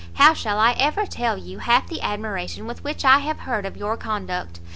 how shall I ever tell you half the admiration with which I have heard of your conduct!